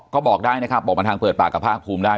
ก็บอกได้นะครับบอกมาทางเปิดปากกับภาคภูมิได้